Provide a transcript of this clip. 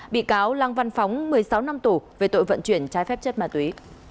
bị cáo lăng văn phóng một mươi sáu năm tù về tội vận chuyển trái phép chất ma túy